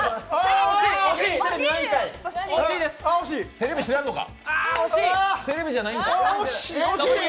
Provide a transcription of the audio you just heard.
テレビ知らんのか。